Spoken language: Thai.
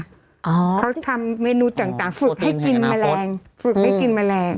เขาทำเมนูต่างฝึกให้กินแมลง